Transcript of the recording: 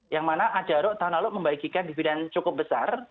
yang mana ajaro tahun lalu membagikan dividen cukup besar